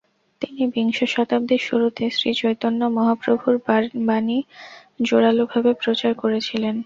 তিনি বিংশ শতাব্দীর শুরুতে শ্রীচৈতন্য মহাপ্রভুর বাণী জোরালোভাবে প্রচার করেছিলেন।